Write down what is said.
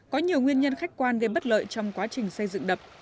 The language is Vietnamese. có nhiều nguyên nhân khách quan gây bất lợi trong quá trình xây dựng đập